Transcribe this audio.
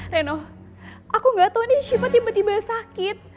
reno aku gak tau nih shiva tiba tiba sakit